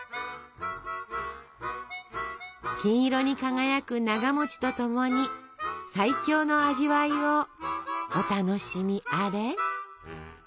金色に輝くながと共に最強の味わいをお楽しみあれ。